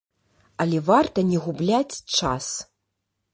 Але варта не губляць час.